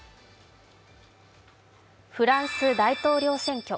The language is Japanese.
フランス大統領選挙。